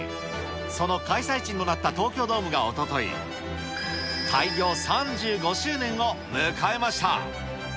その開催地にもなった東京ドームがおととい、開業３５周年を迎えました。